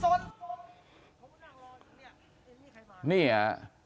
มาแล้วนี่ไง